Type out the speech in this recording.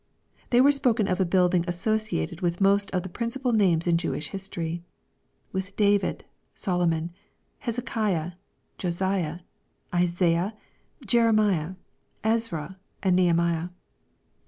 They were spoken of a building associated with most of the principal names in Jewish history ; with David, Solomon, Hezekiah, Josiah, Isaiah, Jere miah, Ezra, and Nehemiah.